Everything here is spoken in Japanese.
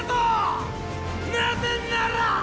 なぜなら！